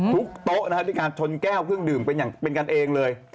ทุกโต๊ะที่กาณชนแก้วเครื่องดื่มเป็นกันเองเลย